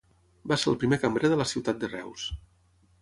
Va ser el primer cambrer de la ciutat de Reus.